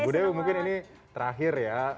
bu dewi mungkin ini terakhir ya